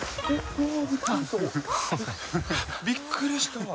びっくりした。